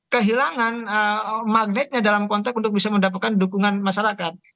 kehilangan magnetnya dalam konteks untuk bisa mendapatkan dukungan masyarakat